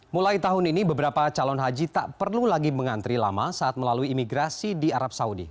mulai tahun ini beberapa calon haji tak perlu lagi mengantri lama saat melalui imigrasi di arab saudi